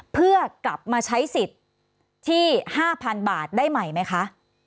เพื่อกลับมาใช้สิทธิ์ที่๕๐๐๐บาทได้ใหม่ไหมคะ